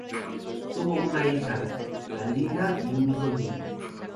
Tuvo una hija, Galina, y un hijo, Yuri.